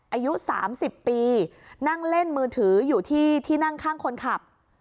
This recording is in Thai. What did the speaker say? อายุ๓๐ปีนั่งเล่นมือถืออยู่ที่ที่นั่งข้างคนขับ